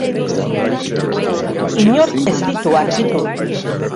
Inork ez ditu argitu.